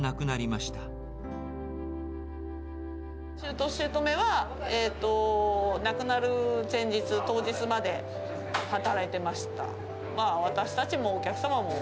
しゅうと、しゅうとめは、亡くなる前日、当日まで働いてました。